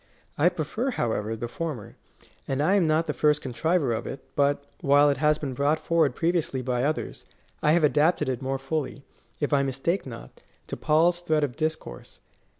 I prefer, however, the former ; and I am not the first contriver of it, but, while it has been brought forward previ ously by others, I have adapted it more fully, if I mistake not, to Paul's thread of discourse.